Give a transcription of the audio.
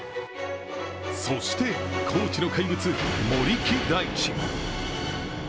そして、高知の怪物・森木大智。